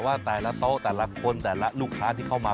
ว่าแต่ละโต๊ะแต่ละคนแต่ละลูกค้าที่เข้ามา